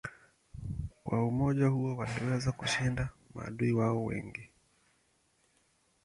Kwa umoja huo waliweza kushinda maadui wao wengi.